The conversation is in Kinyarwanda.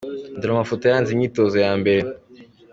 Dore amafoto yaranze imyitozo ya mbere:.